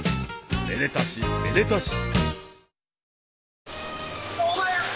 ［めでたしめでたし］